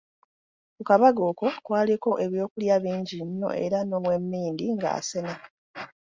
Ku kabaga okwo kwaliko eby'okulya bingi nnyo era n'owemmindi ng'asena.